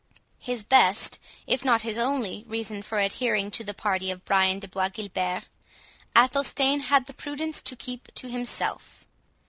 His best, if not his only reason, for adhering to the party of Brian de Bois Guilbert, Athelstane had the prudence to keep to himself.